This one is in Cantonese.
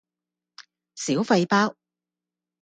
小廢包